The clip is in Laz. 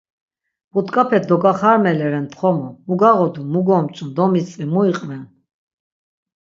But̆k̆ape dogaxarmeleren txomu, mu gağodu, mu gomç̌un, domitzvi muiqven?